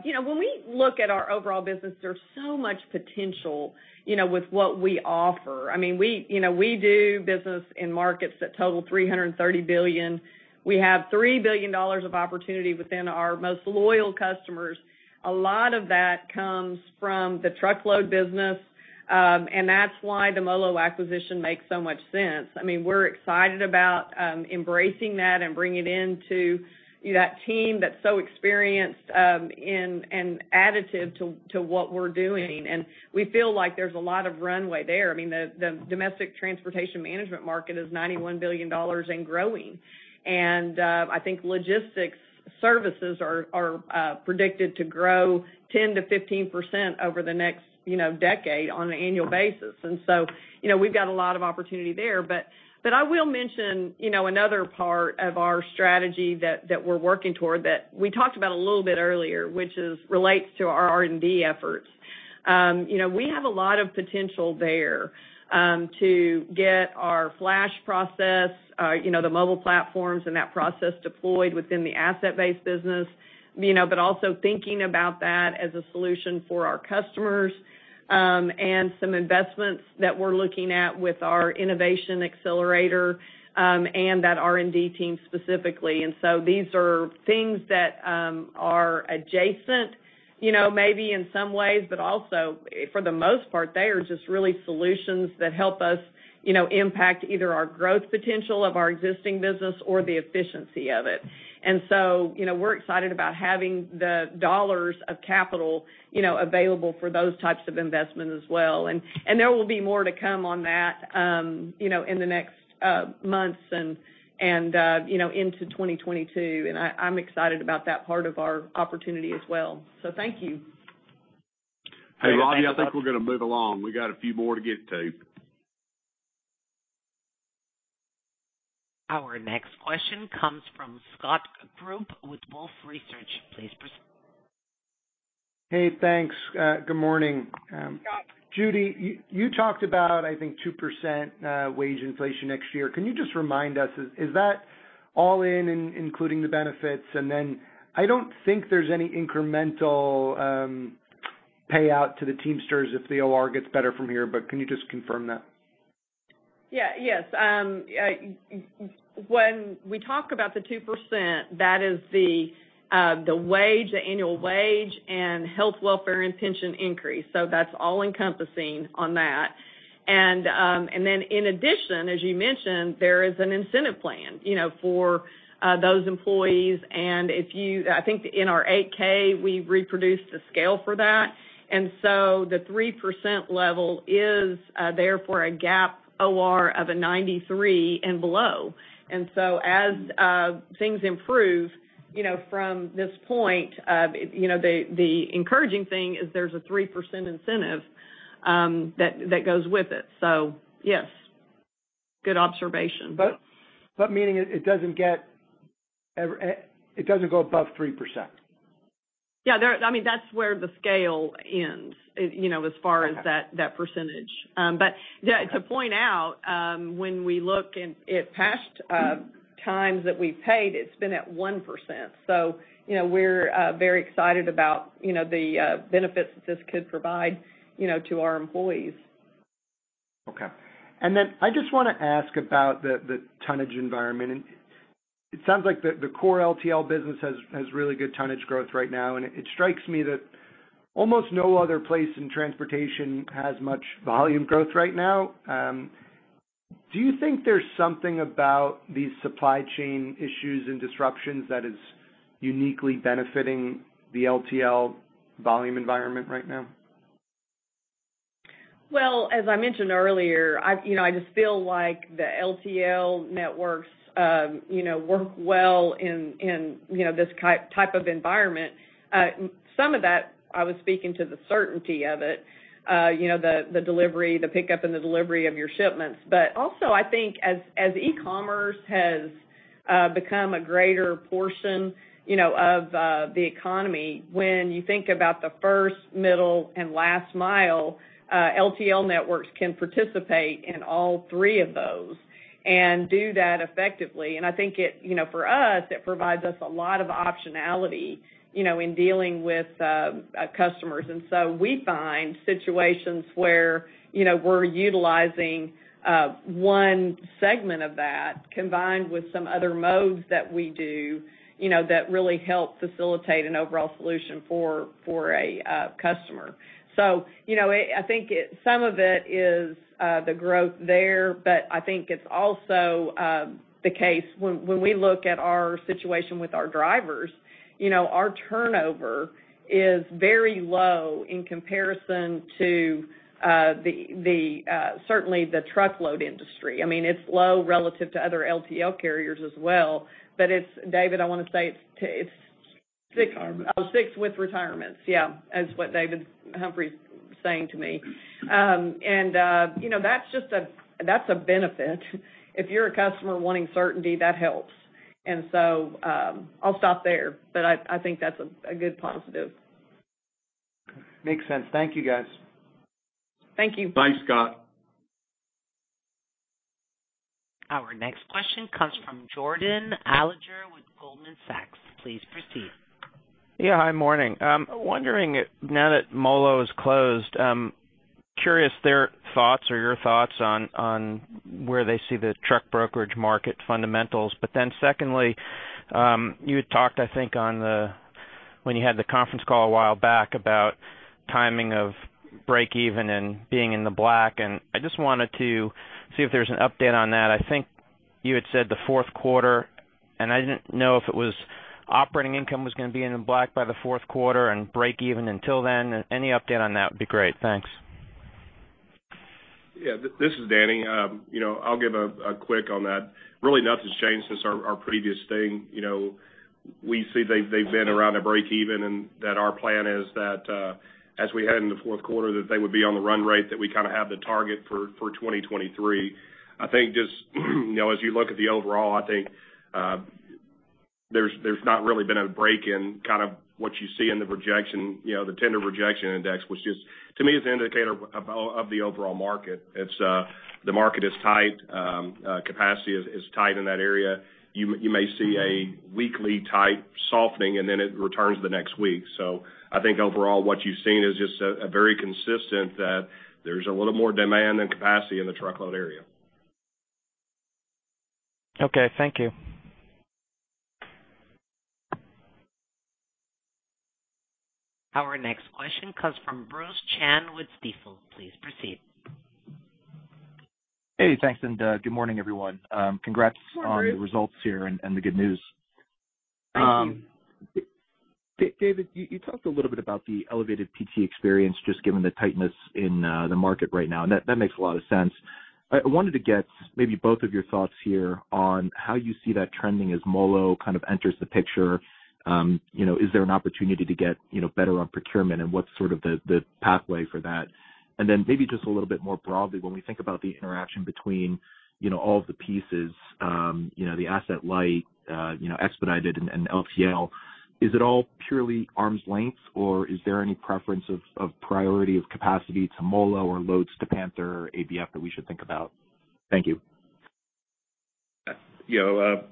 you know, when we look at our overall business, there's so much potential, you know, with what we offer. I mean, we, you know, we do business in markets that total $330 billion. We have $3 billion of opportunity within our most loyal customers. A lot of that comes from the truckload business, and that's why the MoLo acquisition makes so much sense. I mean, we're excited about embracing that and bringing into that team that's so experienced and additive to what we're doing. And we feel like there's a lot of runway there. I mean, the domestic transportation management market is $91 billion and growing. And I think logistics services are predicted to grow 10%-15% over the next, you know, decade on an annual basis. And so, you know, we've got a lot of opportunity there. But I will mention, you know, another part of our strategy that we're working toward that we talked about a little bit earlier, which is relates to our R&D efforts. You know, we have a lot of potential there to get our flash process, you know, the mobile platforms and that process deployed within the asset-based business, you know, but also thinking about that as a solution for our customers, and some investments that we're looking at with our innovation accelerator, and that R&D team specifically. And so these are things that are adjacent, you know, maybe in some ways, but also for the most part, they are just really solutions that help us, you know, impact either our growth potential of our existing business or the efficiency of it. And so, you know, we're excited about having the dollars of capital, you know, available for those types of investments as well. There will be more to come on that, you know, in the next months and, you know, into 2022, and I, I'm excited about that part of our opportunity as well. So thank you. Hey, Ravi, I think we're going to move along. We got a few more to get to. Our next question comes from Scott Group with Wolfe Research. Please proceed. Hey, thanks. Good morning. Judy, you talked about, I think, 2% wage inflation next year. Can you just remind us, is that all including the benefits? And then I don't think there's any incremental payout to the Teamsters if the OR gets better from here, but can you just confirm that? ... Yeah. Yes, when we talk about the 2%, that is the wage, the annual wage and health, welfare, and pension increase. So that's all-encompassing on that. And then in addition, as you mentioned, there is an incentive plan, you know, for those employees. And I think in our 8-K, we reproduced a scale for that. And so the 3% level is therefore a GAAP OR of a 93 and below. And so as things improve, you know, from this point, you know, the encouraging thing is there's a 3% incentive that goes with it. So yes, good observation. But meaning it doesn't go above 3%? Yeah, I mean, that's where the scale ends, you know, as far as that, that percentage. But yeah, to point out, when we look in at past times that we've paid, it's been at 1%. So, you know, we're very excited about, you know, the benefits that this could provide, you know, to our employees. Okay. And then I just want to ask about the tonnage environment, and it sounds like the core LTL business has really good tonnage growth right now, and it strikes me that almost no other place in transportation has much volume growth right now. Do you think there's something about these supply chain issues and disruptions that is uniquely benefiting the LTL volume environment right now? Well, as I mentioned earlier, I've-- you know, I just feel like the LTL networks, you know, work well in, you know, this type of environment. Some of that, I was speaking to the certainty of it, you know, the delivery, the pickup and the delivery of your shipments. But also, I think as e-commerce has become a greater portion, you know, of the economy, when you think about the first, middle, and last mile, LTL networks can participate in all three of those and do that effectively. And I think it, you know, for us, it provides us a lot of optionality, you know, in dealing with customers. And so we find situations where, you know, we're utilizing one segment of that, combined with some other modes that we do, you know, that really help facilitate an overall solution for a customer. So, you know, I think it—some of it is the growth there, but I think it's also the case when we look at our situation with our drivers, you know, our turnover is very low in comparison to the truckload industry, certainly. I mean, it's low relative to other LTL carriers as well, but it's—David, I want to say it's six- Retirement. Oh, 6 with retirements. Yeah, is what David Humphrey is saying to me. You know, that's just a benefit. If you're a customer wanting certainty, that helps. So, I'll stop there, but I think that's a good positive. Makes sense. Thank you, guys. Thank you. Bye, Scott. Our next question comes from Jordan Alliger with Goldman Sachs. Please proceed. Yeah, hi, morning. Wondering if now that MoLo is closed, curious their thoughts or your thoughts on, on where they see the truck brokerage market fundamentals. But then secondly, you had talked, I think, on the—when you had the conference call a while back about timing of break even and being in the black, and I just wanted to see if there's an update on that. I think you had said the fourth quarter, and I didn't know if it was operating income was going to be in the black by the fourth quarter and break even until then. Any update on that would be great. Thanks. Yeah, this is Danny. You know, I'll give a quick on that. Really, nothing's changed since our previous thing. You know, we see they've been around break even, and that our plan is that, as we head into the fourth quarter, that they would be on the run rate that we kind of have the target for 2023. I think just, you know, as you look at the overall, I think, there's not really been a break in kind of what you see in the rejection, you know, the Tender Rejection Index, which is, to me, an indicator of the overall market. It's the market is tight. Capacity is tight in that area. You may see a weekly tight softening, and then it returns the next week. I think overall, what you've seen is just a very consistent that there's a little more demand and capacity in the truckload area. Okay, thank you. Our next question comes from Bruce Chan with Stifel. Please proceed. Hey, thanks, and good morning, everyone. Congrats on- Good morning... the results here and, and the good news. Thank you. David, you talked a little bit about the elevated PT experience, just given the tightness in the market right now, and that makes a lot of sense. I wanted to get maybe both of your thoughts here on how you see that trending as MoLo kind of enters the picture. You know, is there an opportunity to get, you know, better on procurement, and what's sort of the pathway for that? And then maybe just a little bit more broadly, when we think about the interaction between, you know, all of the pieces, you know, the asset light, expedited and LTL, is it all purely arm's length, or is there any preference of priority of capacity to MoLo or loads to Panther or ABF that we should think about? Thank you.... You know,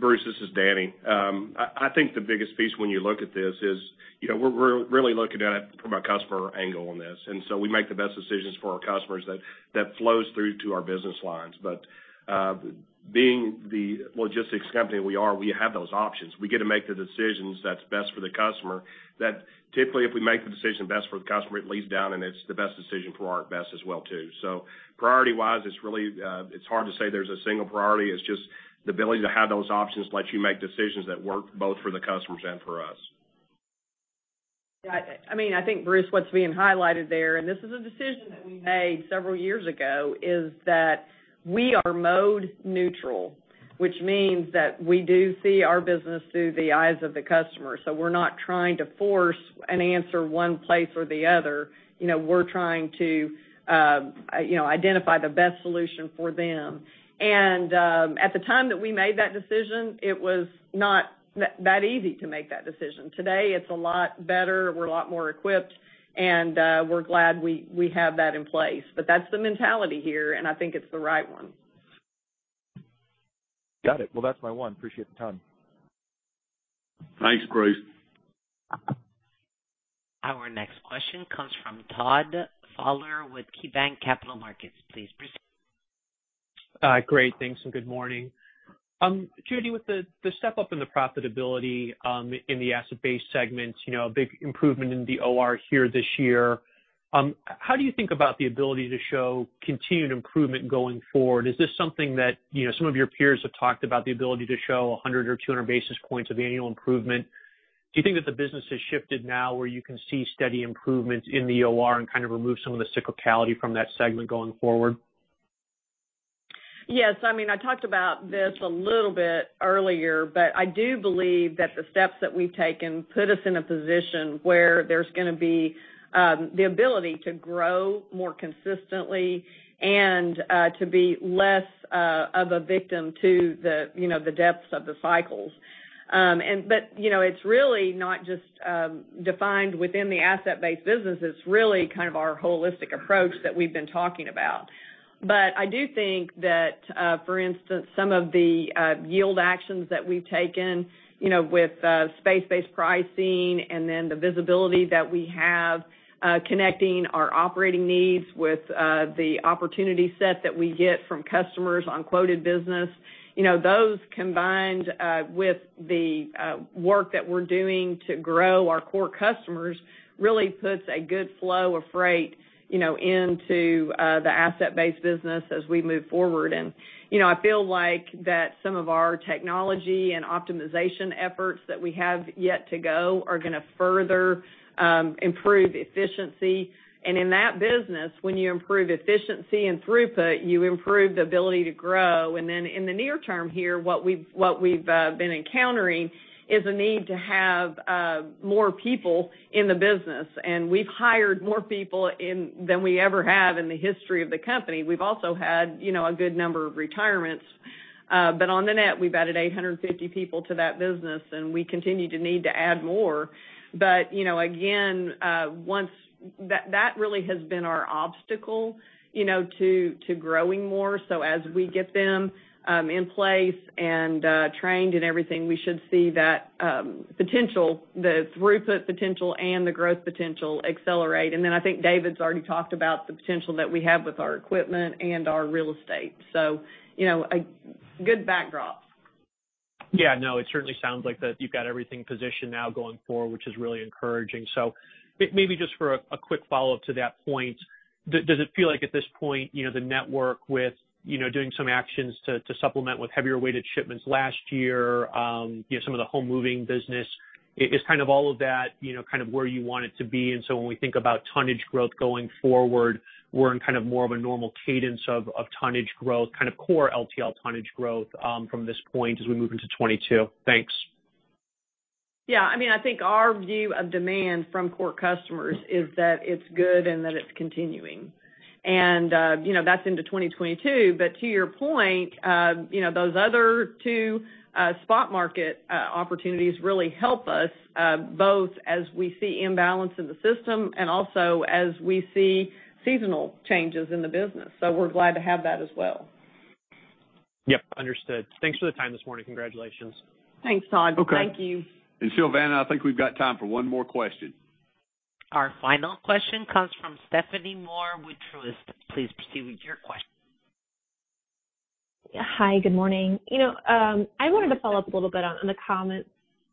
Bruce, this is Danny. I think the biggest piece when you look at this is, you know, we're really looking at it from a customer angle on this. And so we make the best decisions for our customers that flows through to our business lines. But, being the logistics company we are, we have those options. We get to make the decisions that's best for the customer, that typically, if we make the decision best for the customer, it leads down, and it's the best decision for our best as well, too. So priority-wise, it's really, it's hard to say there's a single priority. It's just the ability to have those options lets you make decisions that work both for the customers and for us. Yeah, I mean, I think, Bruce, what's being highlighted there, and this is a decision that we made several years ago, is that we are mode neutral, which means that we do see our business through the eyes of the customer. So we're not trying to force an answer one place or the other. You know, we're trying to, you know, identify the best solution for them. And at the time that we made that decision, it was not that easy to make that decision. Today, it's a lot better. We're a lot more equipped, and we're glad we have that in place. But that's the mentality here, and I think it's the right one. Got it. Well, that's my one. Appreciate the time. Thanks, Bruce. Our next question comes from Todd Fowler with KeyBanc Capital Markets. Please proceed. Great. Thanks, and good morning. Judy, with the step up in the profitability in the asset-based segments, you know, a big improvement in the OR here this year, how do you think about the ability to show continued improvement going forward? Is this something that, you know, some of your peers have talked about the ability to show 100 or 200 basis points of annual improvement? Do you think that the business has shifted now, where you can see steady improvements in the OR and kind of remove some of the cyclicality from that segment going forward? Yes. I mean, I talked about this a little bit earlier, but I do believe that the steps that we've taken put us in a position where there's gonna be the ability to grow more consistently and to be less of a victim to the, you know, the depths of the cycles. And but, you know, it's really not just defined within the asset-based business. It's really kind of our holistic approach that we've been talking about. But I do think that, for instance, some of the yield actions that we've taken, you know, with space-based pricing and then the visibility that we have connecting our operating needs with the opportunity set that we get from customers on quoted business. You know, those, combined with the work that we're doing to grow our core customers, really puts a good flow of freight, you know, into the asset-based business as we move forward. And, you know, I feel like that some of our technology and optimization efforts that we have yet to go are gonna further improve efficiency. And in that business, when you improve efficiency and throughput, you improve the ability to grow. And then in the near term here, what we've been encountering is a need to have more people in the business. And we've hired more people than we ever have in the history of the company. We've also had, you know, a good number of retirements. But on the net, we've added 850 people to that business, and we continue to need to add more. But, you know, again, that really has been our obstacle, you know, to growing more. So as we get them in place and trained and everything, we should see that potential, the throughput potential and the growth potential accelerate. And then I think David's already talked about the potential that we have with our equipment and our real estate. So, you know, a good backdrop. Yeah. No, it certainly sounds like that you've got everything positioned now going forward, which is really encouraging. So maybe just for a quick follow-up to that point, does it feel like at this point, you know, the network with, you know, doing some actions to supplement with heavier-weighted shipments last year, you know, some of the home moving business, is kind of all of that, you know, kind of where you want it to be? And so when we think about tonnage growth going forward, we're in kind of more of a normal cadence of tonnage growth, kind of core LTL tonnage growth, from this point as we move into 2022. Thanks. Yeah. I mean, I think our view of demand from core customers is that it's good and that it's continuing. And, you know, that's into 2022. But to your point, you know, those other two, spot market, opportunities really help us, both as we see imbalance in the system and also as we see seasonal changes in the business. So we're glad to have that as well. Yep, understood. Thanks for the time this morning. Congratulations. Thanks, Todd. Okay. Thank you. Sylvana, I think we've got time for one more question. Our final question comes from Stephanie Moore with Truist. Please proceed with your question. Hi, good morning. You know, I wanted to follow up a little bit on the comments,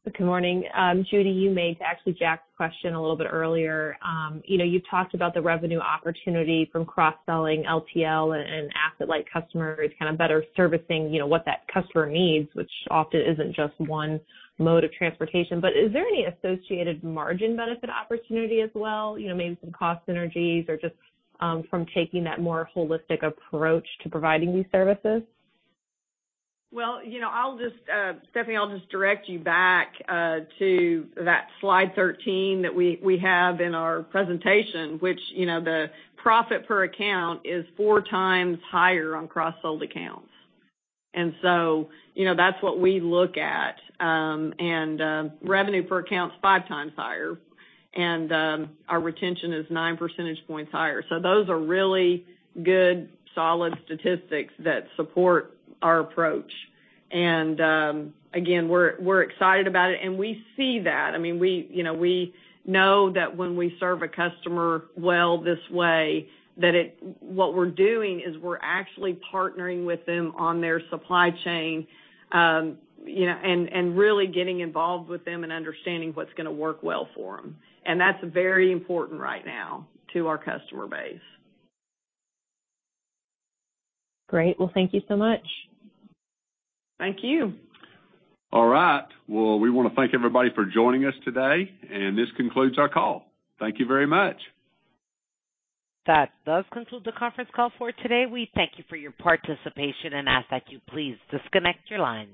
good morning, Judy, you made to actually Jack's question a little bit earlier. You know, you've talked about the revenue opportunity from cross-selling LTL and asset-light customers, kind of better servicing, you know, what that customer needs, which often isn't just one mode of transportation. But is there any associated margin benefit opportunity as well? You know, maybe some cost synergies or just from taking that more holistic approach to providing these services? Well, you know, I'll just, Stephanie, I'll just direct you back to that slide 13 that we have in our presentation, which, you know, the profit per account is 4 times higher on cross-sold accounts. And so, you know, that's what we look at. And revenue per account is 5 times higher, and our retention is 9 percentage points higher. So those are really good, solid statistics that support our approach. And again, we're excited about it, and we see that. I mean, we know that when we serve a customer well this way, that it, what we're doing is we're actually partnering with them on their supply chain, you know, and really getting involved with them and understanding what's gonna work well for them. And that's very important right now to our customer base. Great. Well, thank you so much. Thank you. All right. Well, we want to thank everybody for joining us today, and this concludes our call. Thank you very much. That does conclude the conference call for today. We thank you for your participation and ask that you please disconnect your lines.